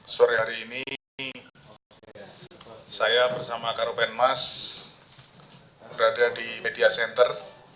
sore hari ini saya bersama karopenmas berada di media center